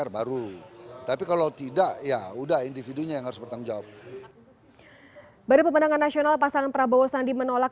badan pemandangan nasional pasangan prabowo sandi menolak